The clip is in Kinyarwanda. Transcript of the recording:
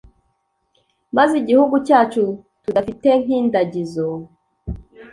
maze iguhugu cyacu tudafite nk’indagizo